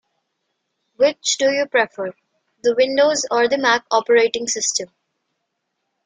Which do you prefer: the Windows or the Mac operating system?